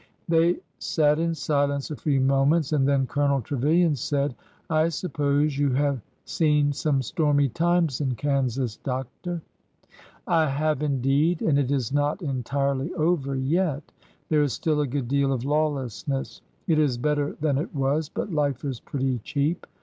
They sat in silence a few moments, and then Colonel Trevilian said :" I suppose you have seen some stormy times in Kansas, Doctor ?'' I have, indeed. And it is not entirely over yet. There is still a good deal of lawlessness. It is better than it was ; but life is pretty cheap.